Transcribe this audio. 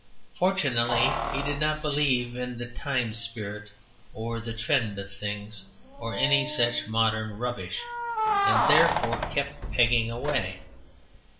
Fortunately he did not believe in the Time Spirit or the Trend of Things or any such modern rubbish, and therefore kept pegging away.